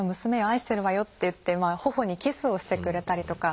愛してるわよ」って言って頬にキスをしてくれたりとか。